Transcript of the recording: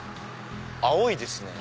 青いですね